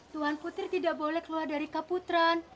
tuan putri tidak boleh keluar dari kaputra